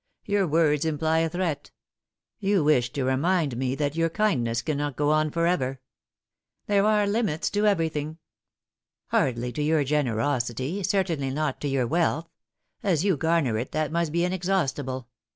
Your words imply a threat. You wish to remind me that your kindness cannot go on for ever." " There are limits to everything." " Hardly to your generosity ; certainly not to your wealth. As you garner it, that must be inexhaustible.